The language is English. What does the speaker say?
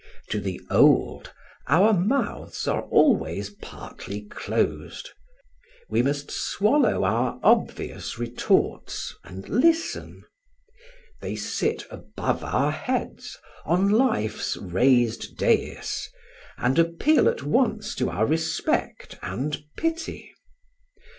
To the old our mouths are always partly closed; we must swallow our obvious retorts and listen. They sit above our heads, on life's raised dais, and appeal at once to our respect and pity.